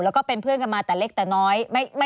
แล้วก็เป็นเพื่อนกันมาแต่เล็กแต่น้อย